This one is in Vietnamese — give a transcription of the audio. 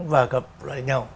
và gặp lại nhau